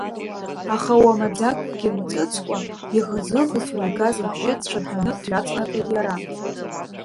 Аха уамаӡакгьы мҵыцкәа иӷызы-ӷызуа игаз абжьы дцәырҳаны дҩаҵнарҟьеит, иара.